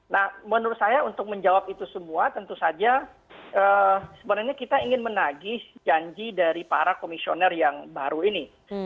nah menurut saya untuk menjawab itu semua tentu saja sebenarnya kita ingin menagih janji dari para komisioner yang baru ini